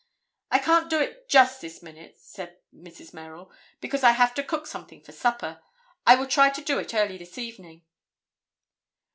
"I can't do it just this minute," said Mrs. Merrill, "because I have to cook something for supper. I will try to do it early this evening."